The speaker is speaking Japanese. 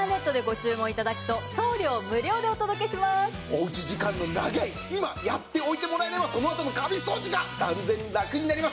さらにおうち時間の長い今やっておいてもらえればそのあとのカビ掃除が断然ラクになります。